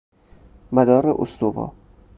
مدار استوا